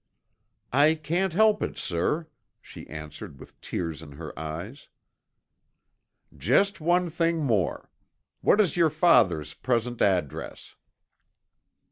"I can't help it, sir," she answered with tears in her eyes. "Just one thing more. What is your father's present address?"